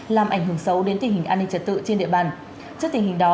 làm ảnh hưởng xấu đến tình hình an ninh trật tự trên địa bàn trước tình hình đó